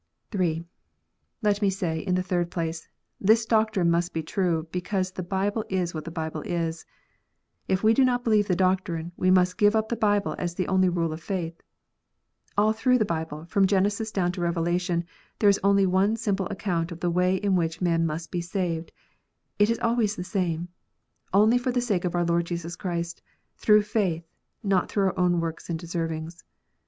(3) Let me say, in the third place, this doctrine must be true, because the Bible is wlmi the Bible is. If we do not believe the doctrine, we must give up the Bible as the only rule of faith. All through the Bible, from Genesis down to Eevelation, there is only one simple account of the way in which man must be saved. It is always the same : only for the sake of our Lord Jesus Christ, through faith; not for our own works and deservings.